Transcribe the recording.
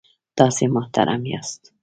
تاسې محترم یاست.